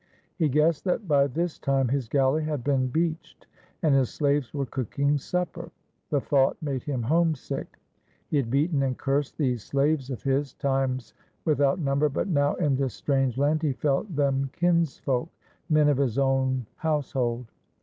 He guessed that by this time his galley had been beached and his slaves were cooking supper. The thought made him homesick. He had beaten and cursed these slaves of his, times without number, but now in this strange land he felt them kins folk, men of his own household.